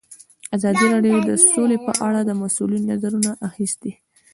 ازادي راډیو د سوله په اړه د مسؤلینو نظرونه اخیستي.